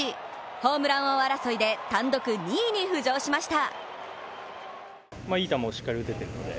ホームラン王争いで単独２位に浮上しました。